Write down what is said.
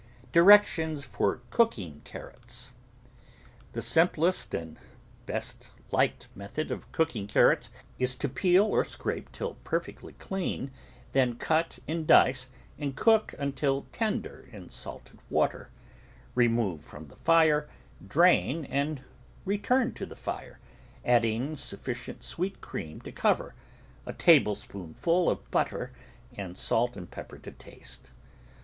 DIRECTIONS FOR COOKING CARROTS The simplest and best liked method of cooking carrots is to peel or scrape till perfectly clean, then cut in dice, and cook until tender in salted water; remove from the fire, drain, and return to the fire, adding sufficient SAveet cream to cover, a table spoonful of butter, and salt and pepper to taste.